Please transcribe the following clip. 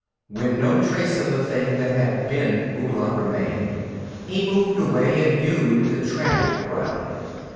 When no trace of the thing that had been Ouglat remained, he moved away and viewed the trampled ground.